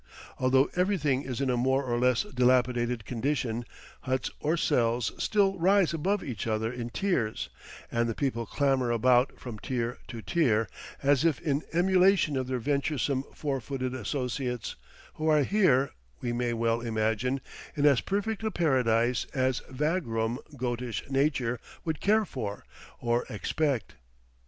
Although everything is in a more or less dilapidated condition, huts or cells still rise above each other in tiers, and the people clamber about from tier to tier, as if in emulation of their venturesome four footed associates, who are here, we may well imagine, in as perfect a paradise as vagrom goatish nature would care for or expect.